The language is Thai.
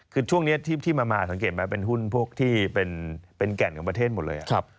คือช่วงนี้ที่มาสังเกตไหมเป็นหุ้นพวกที่เป็นแก่นของประเทศหมดเลย